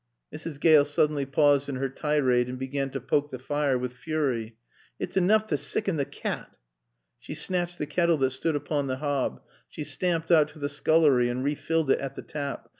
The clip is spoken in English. Mrs. Gale suddenly paused in her tirade and began to poke the fire with fury. "It's enoof t' sicken t' cat!" She snatched the kettle that stood upon the hob; she stamped out to the scullery and re filled it at the tap.